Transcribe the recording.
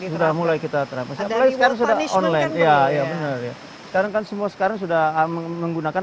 jadi sistem itu sudah mulai sudah mulai kita terapasi sekarang sudah online ya ya bener ya